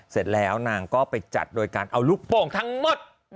เสร็จแล้วนางก็ไปจัดโดยการเอาลูกโป่งทั้งหมด